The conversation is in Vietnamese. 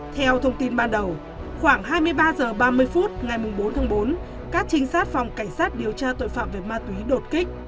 theo thông tin ban đầu khoảng hai mươi ba h ba mươi phút ngày bốn tháng bốn các trinh sát phòng cảnh sát điều tra tội phạm về ma túy đột kích